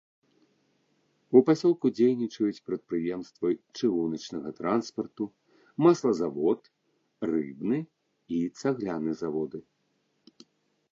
У пасёлку дзейнічаюць прадпрыемствы чыгуначнага транспарту, маслазавод, рыбны і цагляны заводы.